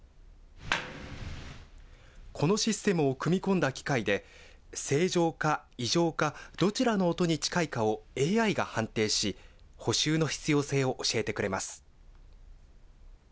このシステムを組み込んだ機械で、正常か異常か、どちらの音に近いかをＡＩが判定し、補修の必要性を教えてくれます。